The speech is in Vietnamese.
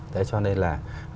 đấy cho nên là